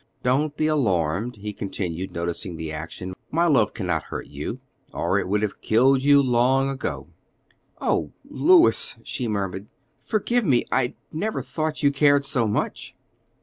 "Do not be alarmed," he continued, noticing the action; "my love cannot hurt you, or it would have killed you long ago." "Oh, Louis," she murmured, "forgive me; I never thought you cared so much."